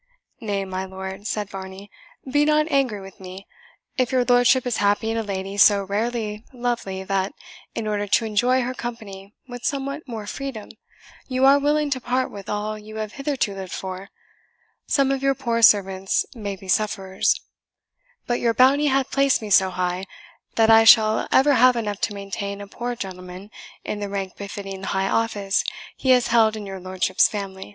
"Nay, my lord," said Varney, "be not angry with me. If your lordship is happy in a lady so rarely lovely that, in order to enjoy her company with somewhat more freedom, you are willing to part with all you have hitherto lived for, some of your poor servants may be sufferers; but your bounty hath placed me so high, that I shall ever have enough to maintain a poor gentleman in the rank befitting the high office he has held in your lordship's family."